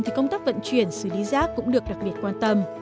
thì công tác vận chuyển xử lý rác cũng được đặc biệt quan tâm